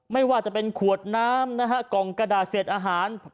ไม่ว่าจะเป็นขวดน้ำนะฮะกล่องกระดาษเศษอาหาร